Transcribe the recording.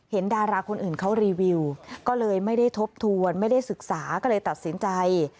ดาราคนอื่นเขารีวิวก็เลยไม่ได้ทบทวนไม่ได้ศึกษาก็เลยตัดสินใจ